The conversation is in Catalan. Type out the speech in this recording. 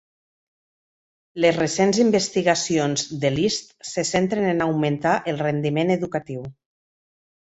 Les recents investigacions de List se centren en augmentar el rendiment educatiu.